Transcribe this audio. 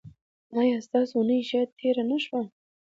ایا ستاسو اونۍ ښه تیره نه شوه؟